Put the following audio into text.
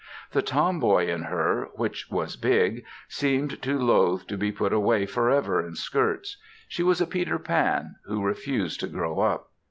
The tom boy in her, which was big, seemed to loathe to be put away forever in skirts. She was a Peter Pan, who refused to grow up.